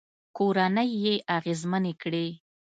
کورنۍ يې اغېزمنې کړې